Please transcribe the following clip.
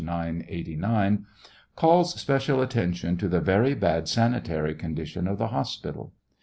989,) calls special attention to the very bad sanitary condition of the hospital.